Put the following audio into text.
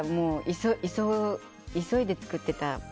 急いで作ってたので。